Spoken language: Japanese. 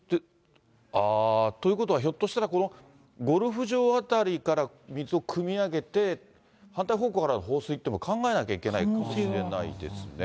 ということは、ひょっとしたら、ゴルフ場辺りから水をくみ上げて、反対方向から放水というのも考えなきゃいけないかもしれないですね。